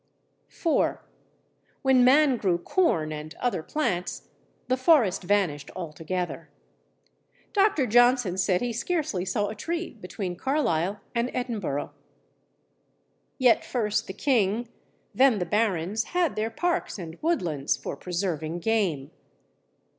4. When man grew corn and other plants, the forest vanished altogether. Dr. Johnson said he scarcely saw a tree between Carlisle and Edinburgh. Yet first the King, then the Barons, had their parks and woodlands for preserving game.